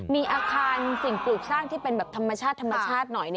มีอาคารสิ่งปลูกสร้างที่เป็นแบบธรรมชาติธรรมชาติหน่อย